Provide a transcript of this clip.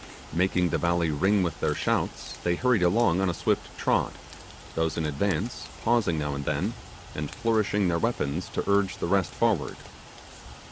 Making the valley ring with their shouts, they hurried along on a swift trot, those in advance pausing now and then, and flourishing their weapons to urge the rest forward.